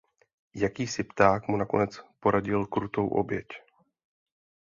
Jakýsi pták mu nakonec poradil krutou oběť.